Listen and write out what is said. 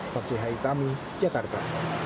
pak cihayi tami jakarta